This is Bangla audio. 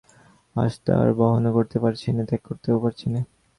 আজ তা আর বহনও করতে পারছি নে, ত্যাগ করতেও পারছি নে।